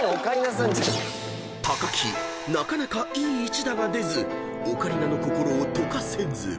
［木なかなかいい一打が出ずオカリナの心を解かせず］